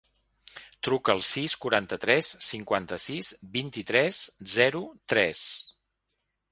Truca al sis, quaranta-tres, cinquanta-sis, vint-i-tres, zero, tres.